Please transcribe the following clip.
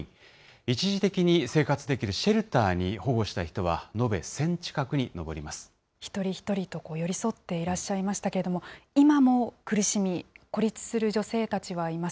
一時的に生活できるシェルターに保護した人は、一人一人と寄り添っていらっしゃいましたけれども、今も苦しみ、孤立する女性たちはいます。